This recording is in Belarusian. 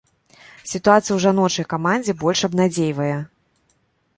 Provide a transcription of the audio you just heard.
Сітуацыя ў жаночай камандзе больш абнадзейвае.